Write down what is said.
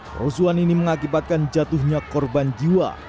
kerusuhan ini mengakibatkan jatuhnya korban jiwa